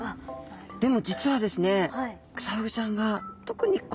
でも実はですねえっ！